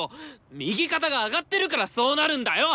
右肩が上がってるからそうなるんだよ！